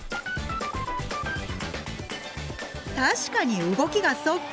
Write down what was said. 確かに動きがそっくり！